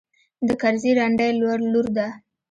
د کرزي رنډۍ لور ده.